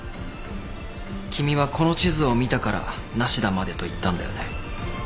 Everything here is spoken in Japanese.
君はこの地図を見たから「ナシダまで」と言ったんだよね。